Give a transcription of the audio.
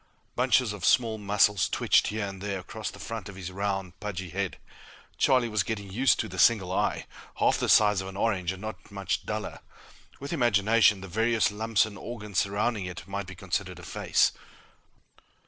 Bunches of small muscles twitched here and there across the front of his round, pudgy head. Charlie was getting used to the single eye, half the size of an orange and not much duller. With imagination, the various lumps and organs surrounding it might be considered a face.